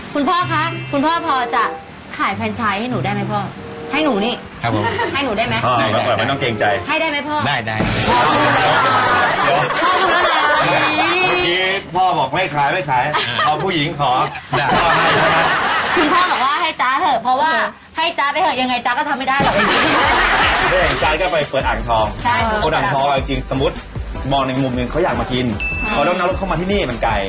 คุณพ่อขาจะขายแฟนไฉด์ให้หนูได้ไหม